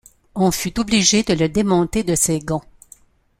On fut obligé de le démonter de ses gonds.